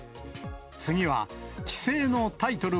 次は棋聖のタイトル